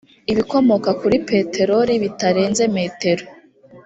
ibikomoka kuri peteroli bitarenze metero